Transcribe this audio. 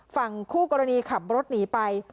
ฝั่งคู่กรณีขับรถหนีไป